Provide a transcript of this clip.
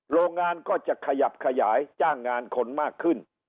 โรงงานก็จะขยับขยายจ้างงานคนมากขึ้น